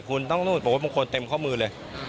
คุณต้องโปรดคนเต็มข้อมือเลย